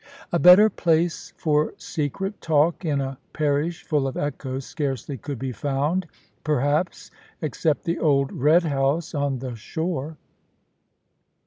A better place for secret talk, in a parish full of echoes, scarcely could be found, perhaps, except the old "Red House" on the shore.